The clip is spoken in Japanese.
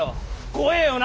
怖えよな。